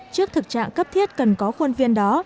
trước thực trạng cấp thiết cần có khuôn viên đó